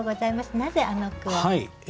なぜあの句を？